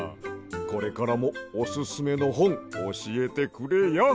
これからもオススメのほんおしえてくれや。